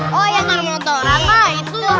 oh yang motor motoran lah itu loh